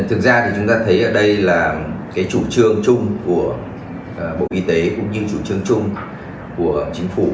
thực ra thì chúng ta thấy ở đây là cái chủ trương chung của bộ y tế cũng như chủ trương chung của chính phủ